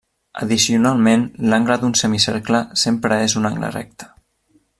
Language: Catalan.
Addicionalment, l'angle d'un semicercle sempre és un angle recte.